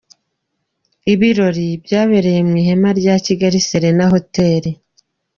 Ibirori byabereye mu ihema rya Kigali Serena Hotel.